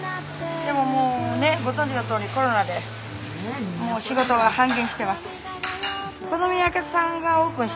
でももうねご存じのとおりコロナでもう仕事が半減してます。